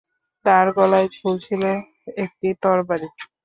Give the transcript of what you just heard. তার গলায় ঝুলছিল একটি তরবারি।